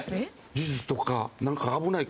数珠とかなんか危ない。